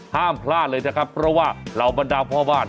ห้ามพลาดเลยนะครับเพราะว่าเรามันดาวน์พ่อบ้าน